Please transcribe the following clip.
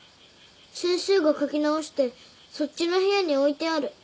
先生が書き直してそっちの部屋に置いてある。